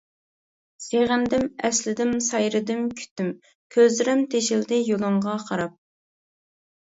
سېغىندىم ئەسلىدىم سايرىدىم كۈتتۈم، كۆزلىرىم تېشىلدى يولۇڭغا قاراپ.